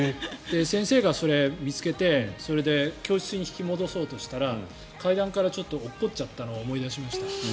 先生がそれを見つけて教室に引き戻そうとしたら階段から落っこっちゃったのを思い出しました。